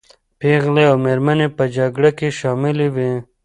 پېغلې او مېرمنې په جګړه کې شاملي وې.